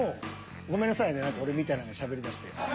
ごめんなさいね俺みたいなんがしゃべりだして。